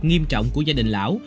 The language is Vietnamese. nghiêm trọng của gia đình lão